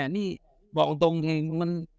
ที่บอกตรงเนี่ยมัน